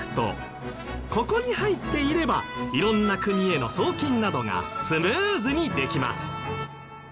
ここに入っていれば色んな国への送金などがスムーズにできます。